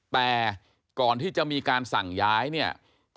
แต่ก่อนที่จะมีการสั่งย้ายเนี่ย